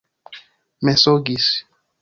mensogis